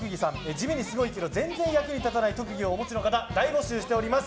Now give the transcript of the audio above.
地味にすごいけど全然役に立たない特技をお持ちの方、大募集しております。